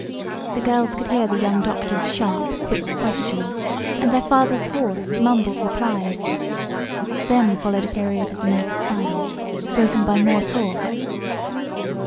The girls could hear the young doctor's sharp, quick questioning, and their father's hoarse, mumbled replies. Then followed a period of nervous silence, broken by more talk.